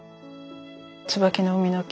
「椿の海の記」